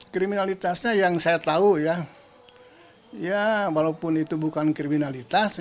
kriminalitasnya yang saya tahu ya walaupun itu bukan kriminalitas